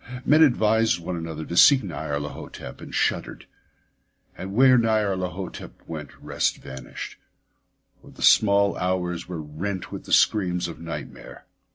Men advised one another to see Nyarlathotep, and shuddered. And where Nyarlathotep went, rest vanished; for the small hours were rent with the screams of nightmare.